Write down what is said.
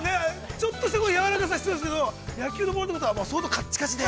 ちょっとしたやわらかさが必要ですけど野球のボールということは相当カッチカチで。